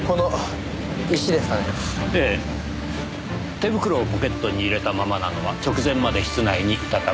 手袋をポケットに入れたままなのは直前まで室内にいたため。